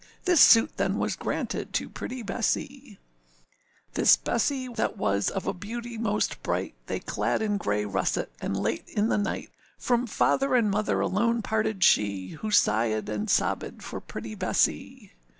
â This suit then was granted to pretty Bessee. This Bessee, that was of a beauty most bright, They clad in grey russet; and late in the night From father and mother alone parted she, Who sighèd and sobbèd for pretty Bessee.